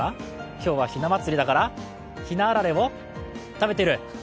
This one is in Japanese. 今日はひな祭りだからひなあられを食べてる？